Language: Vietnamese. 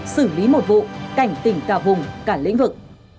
xử lý một vụ cảnh tỉnh cảo hùng cả lĩnh vực